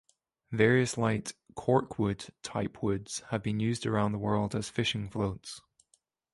Various light "corkwood"-type woods have been used around the world as fishing floats.